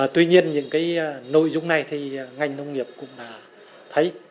tuy nhiên những cái nội dung này thì ngành nông nghiệp cũng đã thấy